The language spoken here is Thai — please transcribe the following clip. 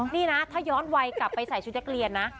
นี่นะถ้าย้อนวัยกลับไปใส่ชุดนักเรียนนะ